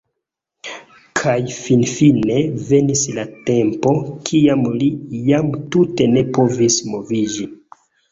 Kaj finfine venis la tempo, kiam li jam tute ne povis moviĝi.